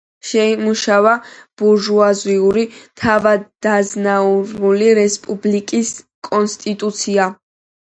შეიმუშავა ბურჟუაზიული თავადაზნაურული რესპუბლიკის კონსტიტუცია.